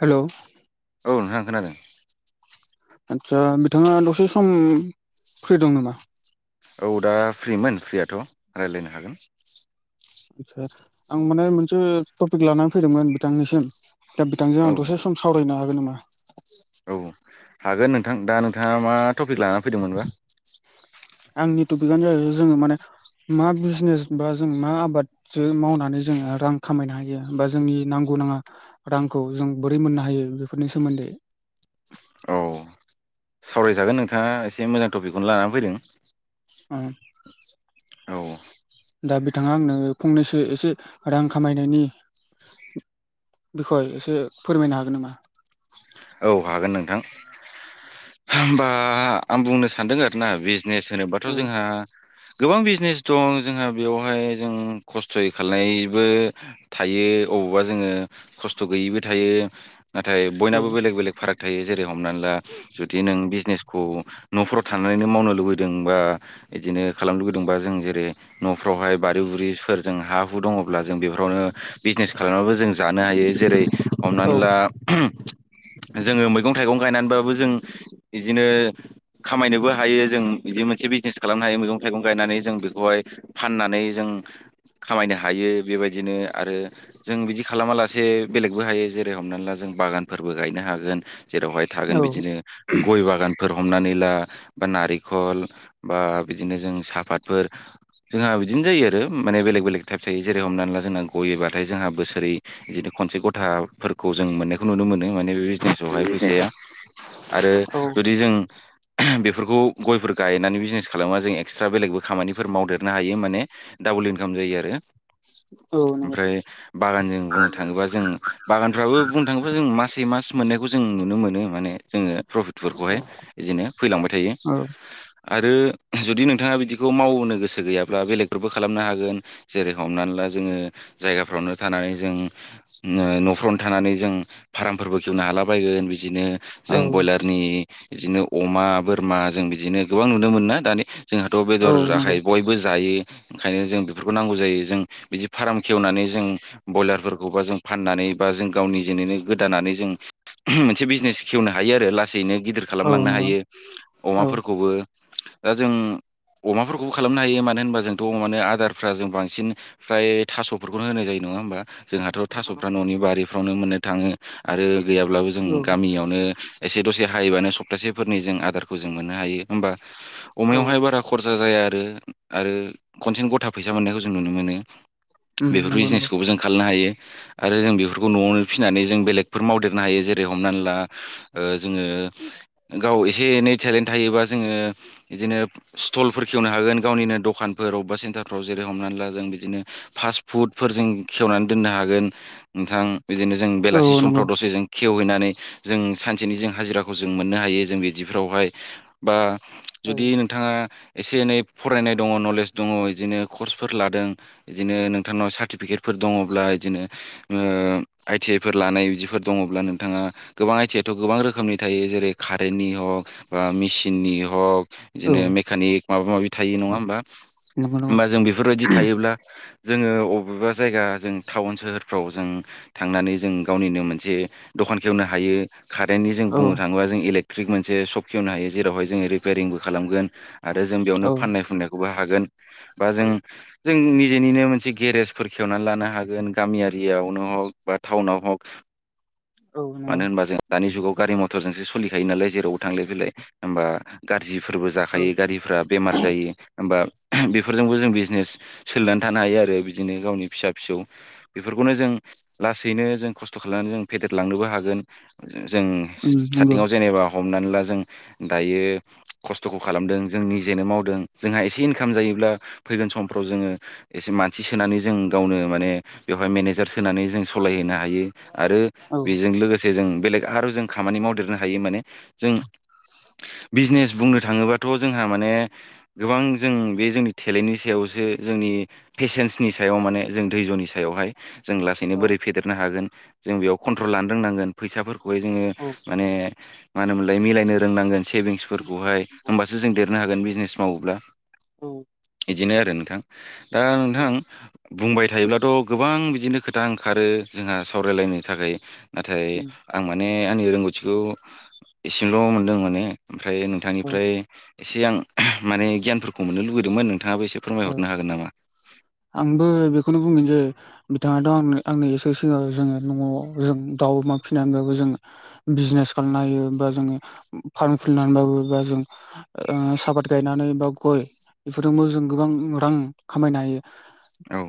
हेलै औ नोंथां खोनादों। आदसा बिथाङा दसे सम फ्रि दं नामा? औ दा फ्रिमोन फ्रियाथ' रायलायनो हागोन। आदसा आं माने मोनसे टपिक लानानै फैदोंमोन बिथांनिसिम। दा बिथांजों औ आं दसे सम सावरायनो हागोन नामा? औ हागोन नोंथां दा नोंथाङा मा टपिक लानानै फैदोंमोनबा? आंनि टपिकआनो जाहैबाय जोङो माने मा बिजनेस बा जों मा आबाद जो मावनानै जोङो रां खामायनो हायो बा जोंनि नांगौ नाङा रांखौ जों बोरै मोननो हायो बेफोरनि सोमोन्दै औ सावरायजागोन नोंथाङा एसे मोजां टपिकखौनो लानानै फैदों। उम औ दा बिथाङा आंनो फंनैसो एसे रां खामायनायनि बिखय एसे फोरमायनो हागोन नामा? औ हागोन नोंथां होमबा आं बुंनो सानदों आरोना बे नेस होनोबाथ' औ जोंहा गोबां बिजनेस दं जोंहा बेवहाय जों खस्थ'यै खालायबो थायो अबावबा जोङो खस्थ' गैयिबो थायो नाथाय औ बयनाबो बेलेग फाराग थायो जेरै हमनानै ला जुदि नों बिजनेसखौ न'फोराव थानानैनो मावनो लुबैदों बा बिदिनो खालामनो लुगैदोंबा जों जेरै न'फ्रावहाय बारि बुरिफोरजों हा हु दङब्ला जों बेफोरावनो बिजनेस खालामबाबो जों जानो हायो जेरै हमनानै ला जोङो मैगं थाइगं गायनानैबाबो जों बिदिनो खामायनोबो हायो जों बिदि मोनसे बिजनेस खालामनो हायो मैगं थाइगं गायनानै जों बेखौहाय फाननानै जों खामायनो हायो बेबायदिनो आरो जों बिदि खालामालासे बेलेगबो हायो जेरै हमनानै ला जों बागान फोरबो गायनो हागोन जेरावहाय औ थागोन बिदिनो गय बागान। फोर हमनानै ला बा नारेंखल बा बिदिनो जों साहापातफोर। जोंहा बिदिनो जायो आरो माने बेलेग बेलेग टाइप थायो जेरै हमनानै ला जोंना गययोबाथाय जोंहा बोसोरै बिदिनो खनसे गथाफोरखौ जों मोननायखौ नुनो मोनो माने बे बिजनेसावहाय फैसाया आरो जुदि जों बेफोरखौ गयफोर गायनानै बिजनेस खालामा जों एकस्रा बेलेगबो खामानिफोर मावदेरनो हायो माने। डाबोल इनकाम जायो आरो। औ नंगौ ओमफ्राय बागानजों बुंनो थाङोबा जों बागानफ्राबो बुं थाङोबा जों मासै मास मोननायखौ जों नुनो मोनो माने जोङो औ प्रफिटफोरखौहाय बिदिनो फैलांबाय थायो। आरो जुदि नोंथाङा बिदिखौ मावनो गोसो गैयाब्ला बेलेगफोरबो खालामनो हागोन। जेरै हमनानै ला जोङो जायगाफ्रावनो थानानै जों न'फ्रावनो थानानै जों फार्मफोरबो खेवनो हाला बायगोन बिदिनो औ जों औ ब्रयलारनि बिदिनो अमा बोरमा जों बिदिनो गोबां नुनो मोना दानि जोंहाथ' औ बेदर नंगौ जाखायो बयबो बो जायो ओंखायनो जों बेफोरखौ नांगौ जायो जों बिदि फार्म खेवनानै जों बयलारफोरखौबा जों फाननानै बा जों गावनि जेने गोदानानै जों मोनसे बिजनेस खेवनो हायो आरो लासैनो गिदिर औ खालामलांनो नंगौ हायो औ अमाफोरखौबो दा जों अमाफोरखौ खालामनो हायो मानो होनबा जोंथ' अमानो आदारफ्रा जों बांसिन फ्राय थास'फोरखौनो होनाय जायो नङा होमबा? जोंहाथ' थास'फ्रा न'नि बारिफ्रावनो मोननो थाङो आरो गैयाब्लाबो जों औ गामियावनो एसे दसे हायोबानो सप्तासेफोरनि जों आदारखौ जों मोननो हायो होमबा औ अमायावहाय बारा खरसा जाया आरो आरो खनसेनो गथा फैसा मोननायखौ जों नुनो मोनो। उम बेफोर नंगौ नंगौ बिजनेसखौबो जों खालामनो हायो आरो जों बेफोरखौ न'आवनो फिसिनानै जों बेलेगफोर मावदेरनो हायो जेरै हमना ला जोङो गाव एसे एनै टेलेन्ट थायोबा जोङो बिदिनो स्टलफोर खेवनो हागोन गावनिनो दखानफोर अबेबा सेन्टारफोराव जेरै हमनानै ला जों बिदिनो फास्ट फुडफोर जों खेवनानै दोननो हागोन नोंथां बिदिनो जों बेलासि औ नंगौ समफ्राव दसे जों खेवहैनानै जों सानसेनि जों हाजिराखौ जों मोननो हायो जों बिदिफ्रावहाय बा औ जुदि नों नोंथाङा एसे एनै फरायनाय दङ नलेज दङ बिदिनो कर्सफोर लादों बिदिनो नोंथांनाव सार्टिफिकेटफोर दङब्ला बिदिनो आइटि आइ बेफोर लानाय बिदिफोर दङब्ला नोंथाङा गोबां आइथियाथ' गोबां रोखोमनि थायो जेरै कारेन्टनि हक बा मेचिननि हग औ बिदिनो मेकानिक माबा माबि थायो नङा होमबा नंगौ नंगौ होमबा जों बेफोरबायदि थायोब्ला जोङो बबेबा जायगा जों टाउन सोहोरफ्राव जों थांनानै जों गावनिनो मोनसे दखान खेवनो हायो कारेन्टनि जों औ बुंनो थाङोबा जों इले थ्रिक मोनसे सब खेवनो हायो जेरावहाय जोङो रिपयारिंबो खालामगोन आरो जों बेयावनो औ फाननाय फुनायखौ बो हागोन बा औ जों जों निजेनिनो मोनसे गेरेजफोर खेवनानै लानो हागोन गामियारियावनो नंङाबाबो थाउनाव हक औ नंगौ मानो होनबा जों दानि जुगाव गारि मथरजोंसो सोलिखायो नालाय जेरावबो थांलाय फैलाय होमबा गाज्रिफोरबो औ जाखायो गारिफ बेमार जायो होमबा बेफोरजोंबो जों बिजनेस सोलिनानै थानो हायो आरो बिदिनो गावनि फिसा फिसौ बेफोरखौनो जों लासैनो जों खस्थ' खालामनानै जों फेदेरलांनोबो हागोन जों उम नंगौ स्टारटिंआव जेनेबा हमनानै ला जों दायो खस्थ'खौ खालामदों जों निजेनो मावदों जोंहा एसे इनकाम जायोब्ला फैगोन समफ्राव जोङो एसे मानसि सोनानै जों गावनो माने बेवहाय मेनेजार सोनानै जों सालायहोनो हायो आरो। औ बेजों लोगोसे जों बेलेग आरो जों खामानि मावदेरनो हायो माने जों बिजनेस बुंनो थाङोबाथ' जोंहा माने गोबां जों बे जोंनि टेलेन्टनि सायावसो जोंनि पेसेन्सनि सायाव माने जों धैज्य'नि सायावहाय जों लासैनो औ बोरै फेदेरनो हागोन जों बेयाव कन्ट्रल लानो रोंनांगोन। फैसाफोरखौहाय जोङो औ माने मा होनोमोनलाय मिलायनो रोंनांगोन। सेभिंसफोरखौहाय होमबासो जों देरनो हागोन बिजनेस मावोब्ला। औ बिदिनो आरो नोंथां दा नोंथां। बुंबाय थायोब्लाथ' गोबां बिदिनो खोथा ओंखारो जोंहा सावरायलायनो थाखाय। नाथाय उम आं माने आंनि रोंगौथिखौ एसेल' मोनदों माने। ओमफ्राय औ नोंथांनिफ्राय एसे आं माने गियानफोरखौ मोननो लुगैदोंमोन नोंथाङाबो एसे औ फोरमायहरनो हागोन नामा? आंबो बेखौनो बुंगोन जे बिथाङाथ' आं आंनि इसे सिगाङाव जोङो न'आव जों दाउ अमा फिनानैबाबो जोङो बिजनेस खालामना हायो बा जोङो फार्म खुलिनानैबाबो बा जों ओ साफाद गायनानै बा गय बेफोरजोंबो जों गोबां रां खामायनो हायो। औ।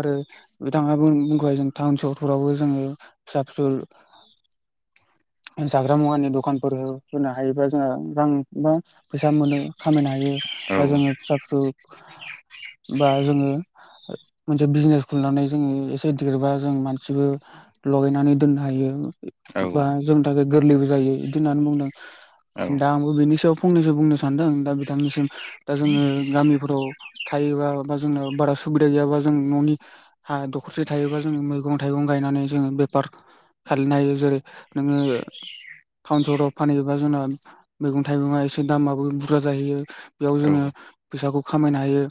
आरो बिथाङाबो बुंखाबाय जों टाउन सहरफोरावबो जोङो फिसा फिसौ जाग्रा मुवानि दखानफोर होनो हायोबा जोंहा रांनि गोबां फैसा मोनो खामायनो हायो औ बा जोङो फिसा फिसौ बा जोङो ओ मोनसे बिजनेस खुलिनानै जोङो एसे देरबा जों मानसिबो लगायनानै दोननो हायो। औ बा जोंनि थाखाय गोरलैबो जायो इदि होननानै बुंदों। औ दा आं बेनि सायाव फंनैसो बुंनो सानदों दा बिथांनिसिम दा जोङो गामि फोराव थायोबा बा जोंना बारा सुबादि जों न'नि हा दखरसे थायोबा जोङो मैगं थाइगं गायनानै जोङो बे पार्क खालैनो हायो जेरै नोङो टाउन सहराव फानहैयोबा जोंना मैगं थाइगंआ एसे दामाबो बुरजा जाहैयो बेयाव औ जोङो फैसाखौ खामायनो हायो।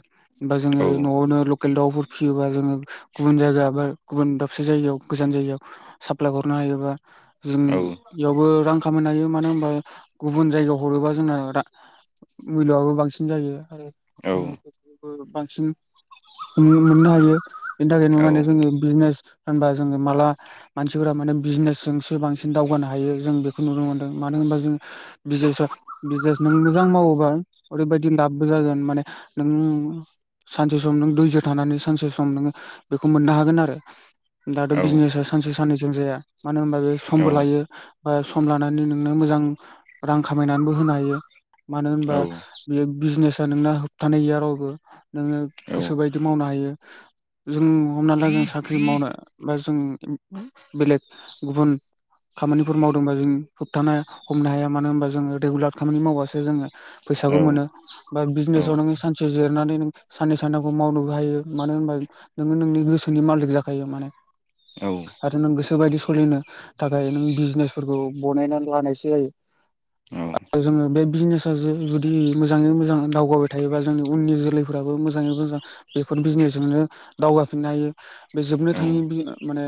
बा औ जोङो न'आवनो ल केल दाउफोर फियोबा जोङो गुबुन जायगा बा गुबुन दाबसे जायगायाव गोजान जायगायाव साप्लाय हरनो हायोब्लाा औ जों इयावबो रां खामायनो हायो मानो होनबा गुबुन जायगायाव हरोबा जोंना मुल्य'आबो बांसिन जायो आरो औ जोङो बे [unintelligible] बो बांसिन मोननो हायो। बेनि थाखायनो औ माने जोङो बिजनेस होनबा जोङो माला मानसिफोरा माने बिजनेसजोंसो बांसिन दावगानो हायो जों बेखौ नुनो मोनदों। मानो होनबा जोङो बिजनेसा बिजनेस नों मोजां मावोबा ओरैबायदि लाबबो जागोन माने नों सानसे सम नों दैज' थानानै सानसे सम नोङो बेखौ मोननो हा गोन आरो। दाथ' औ बिजनेस सानसे साननै जाया मानो होनबा बे समबो लायो। बा सम लानानै नोंनो मोजां रां खामायनानैबो होनो हायो। मानो होनबा बे बिजनेसा नोंना होबथानाय गैया रावबो नोङो गोसोबायदि मावनो हायो। जों हमना ला जों साख्रि मावनो बा जों बेलेग गुबुन खामानिफोर मावदोंबा जों होबथानो हमनो हाया मानो होनबा जोङो रेगुलार खामानि मावबासो जोङो फैसाबो औ मोनो। बा बिजने साव नोङो सानसे जिरायनानै नों साननै सानथामखौ मावनोबो हायो। मानो होनबा नोङो नोंनि गोसोनि मालिक जाखायो माने। औ। आरो नों गोसो बायदि सोलिनो थाखाय नों बिजनेसफोरखौ बनायनानै लानायसो जायो। जोङो बे बिजनेसा जुदि मोजाङै मोजां दावगाबाय थायोबा जोंनि उननि जोलैफोराबो मोजाङै मोजां बेफोर बिजनेसजोंनो दावगाफिननो हायो बे जोबनो थाङि बि माने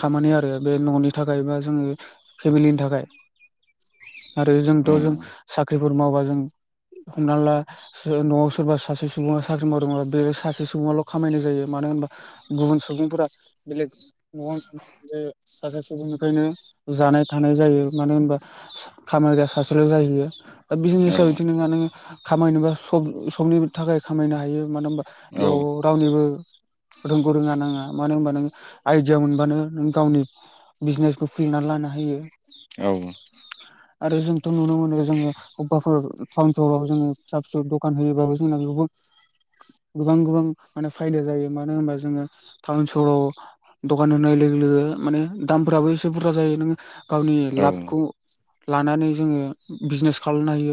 खामानि आरो बे न'नि थाखाय बा जोङो फेमिलिनि थाखाय। आरो जोंथ' जों साख्रिफोर मावबा जों हमना ला [unintelligible] न'आव सोरबा सासे सुबुङा साख्रि मावदोंबा बे सासे सुबुङाल' खामायनाय जायो। मानो होनबा गुबुन सुबुंफोरा बेलेग न'आवनो बे सासे सुबुंनिफ्रायनो जानाय थानाय जायो। ‌ मानो होनबा खामायग्रा सासेल' जाहैयो। दा बिजनिसायाव बिदि नोंङा नोङो खामायनोबा सब-सबनिबो थाखाय खामायनो हायो मानो होनबा बेयाव रावनिबो रोंगौ रोङा नाङा। मानो होनबा नों आइडिया मोनबानो नों गावनि बिजिनेसखौ खुलिनानै लानो हायो आरो जोंथ' नुनो मोनो जोङो अबेबाफोर टाउन सहलाव जोङो फिसा फिसौ दखान होयोबाबो जोंना गोबां गोबां माने फायदा जायो मानो होनबा जोङो टाउन सह दखान होनाय लोगो लोगो माने दामफोराबो एसे बुरजा जायो नोङो गावनि लाबखौ लानानै जोङो बिजिनेस खालामनो हायो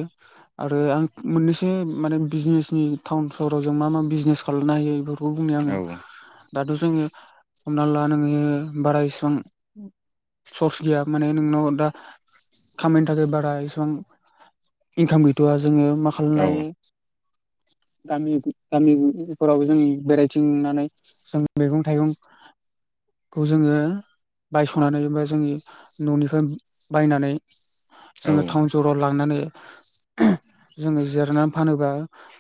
आरो आं मोननैसो माने बिजनेसनि टाउन सहराव जों मा मा बिजनेस खालामना हयो बेफोरखौ बुंनो आङो औ दाथ' जोङो हमना ला नोङो बारा इसेबां सर्स गैया माने नोंनाव दा खामानिनि थाखाय बारा इसिबां इनकाम गैथ'या जोङो मा खालामनो औ हायो गामि गामिफोरावबो जों बेरायथिंनानै जों मैगं थाइगं बेखौ जोङो बायस'नानै एबा जोंनि न'निफ्राय बायनानै दा जोङो टाउन सहराव लांनानै जोङो जिरनानै फानोबा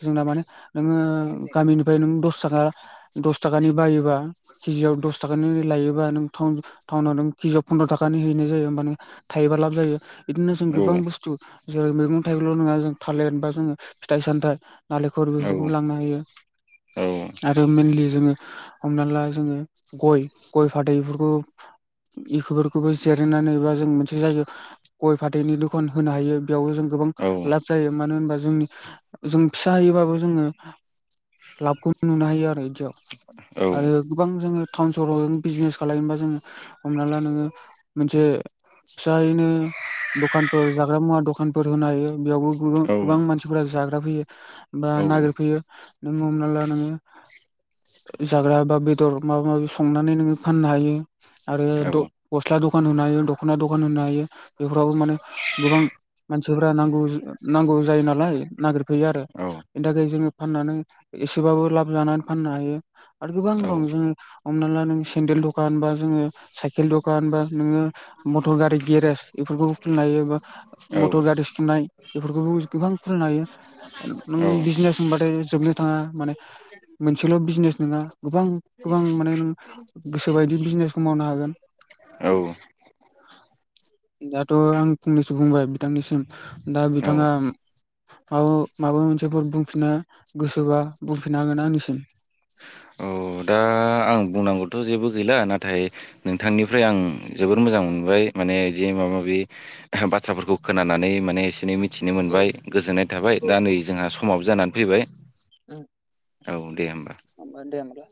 जोंना माने नोङो गामिनिफ्राय नों दस थाखा दस थाखानि बायोबा केजियाव दस थाखानि लायोबा नों टाउन टाउनाव नों केजियाव फन्द्र' थाखानि हैनाय जायो होमबा नों थाइबा लाब जायो बिदिनो जों गोबां बुस्थु जेरै मैगं थाइगंल' नङा जों थालिरबा जोङो फिथाइ सामथाइ नालेंखर बेफोरखौबो लांनो हायो। आरो मेनलि जोङो हमना ला जोङो गय गय फाथैफोरखौ इफोरखौबो जिरायनानै बा जों मोनसे जायगायाव। गय फाथैनि दखान होनो हायो बेयावबो जों गोबां लाब जायो मानो होनबा जोंनि जों फिसा होयोबाबो जोङो लाबखौ नुनो हायो आरो बिदियाव। आरो गोबां जोङो टाउन सहराव बिजिनेस खालामलनोबा जोङो हमना ला नोङो मोनसे फिसायैनो दखानफोर जाग्रा मुवा दखानफोर होनो हायो बेयावबो गोबां मानसि जाग्रा फैयो बा नागिरफैयो नोंङो हमना ला नोङो। जाग्रा बा बेदर माबा माबि संनानै नोङो फाननो हायो। आरो गस्ला दखान होनो हायो दख'ना दखान होनो हायो बेफोरावबो माने गोबां मानसिफोरा नांगौ नांगौ जायो नालाय नागिरफैयो आरो। बेनि थाखाय जोङो फाननानै एसेबाबो लाब जानानै फाननो हायो आरो गोबां दं जोङो हमना ला नों सेन्देल दखानबा जोङो साइकेल दखानबा नोङो। मटर गारि गेरेज बेफोरखौबो फुलिनो हायोबा मटर गारि सुनाय बेफोरखौबो गोबां खुलिनो हायो नों बिजिनेस होनबाथाय जोबनो थाङा माने मोनसेल' बिजिनेस नङा गोबां गोबां माने गोसोबायदि बिजनेसखौ मावनो हागोन। औ दाथ' आं फंनैसो बुंबाय बिथांनिसिम दा बिथाङा मा माबा मोनसेफोर बुंफिननो गोसोबा बुंफिन हागोन आंनिसिम। अ दा आं बुंनांगौथ' जेबो गैला नाथाय नोंथांनिफ्राय आं जोबोर मोजां मोनबाय माने बिदि माबा माबि बाथ्राफोरखौ खोनानानै माने एसे एनै मिथिनो औ मोनबाय गोजोननाय थाबाय दा ओम नै जोंहा समाबो जानानै फैबाय [inaudible] औ दे होमबा। होनबा दे होमब्ला